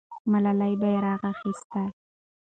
ملالۍ بیرغ اخیسته.